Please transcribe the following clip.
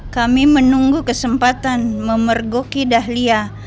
kami menunggu kesempatan memergoki dahlia